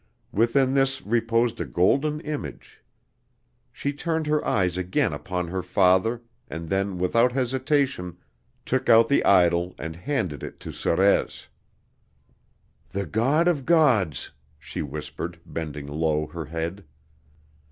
Within this reposed a golden image. She turned her eyes again upon her father and then without hesitation took out the idol and handed it to Sorez. "The God of Gods," she whispered, bending low her head.